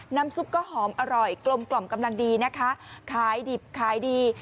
ซุปก็หอมอร่อยกลมกล่อมกำลังดีนะคะขายดิบขายดี